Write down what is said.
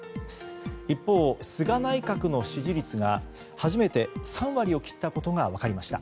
一方、菅内閣の支持率が初めて３割を切ったことが分かりました。